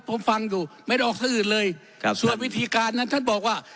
ผมฟังอยู่ไม่ได้ออกที่อื่นเลยครับส่วนวิธีการนั้นท่านบอกว่า